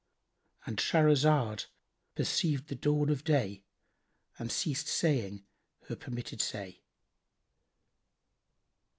"—And Shahrazad perceived the dawn of day and ceased saying her permitted say.